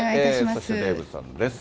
そしてデーブさんです。